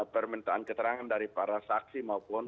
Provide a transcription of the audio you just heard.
permintaan keterangan dari para saksi maupun